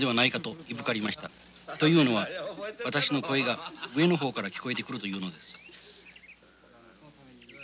というのは私の声が上の方から聞こえてくるというのです